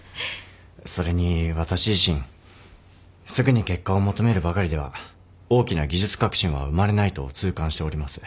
それに私自身すぐに結果を求めるばかりでは大きな技術革新は生まれないと痛感しております。